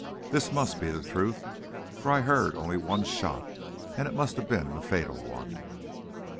This must be the truth, for I heard only one shot, and it must have been the fatal one.